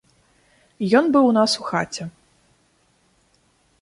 Ён быў у нас у хаце.